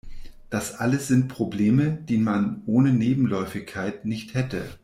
Das alles sind Probleme, die man ohne Nebenläufigkeit nicht hätte.